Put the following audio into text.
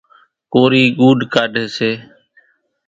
ڪورِي ڳوُڏ ڪاڍيَ سي۔